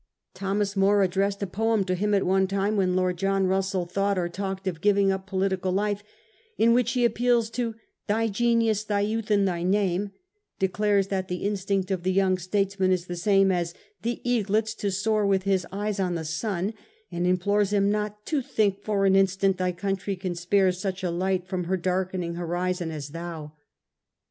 Thomas Moore addressed a poem to Mm at one time, when Lord John Russell thought or talked of giving up political life, in wMch he appeals to £ thy genius, thy youth, and thy name,' declares that the instinct of the young statesman is the same as ' the eaglet's to soar with Ms eyes on the sun,' and implores him not to 1 think for an instant thy country can spare such a light from her darkening horizon as thou.